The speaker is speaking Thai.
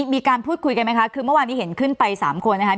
มีการพูดคุยกันไหมคะคือเมื่อวานนี้เห็นขึ้นไป๓คนนะคะ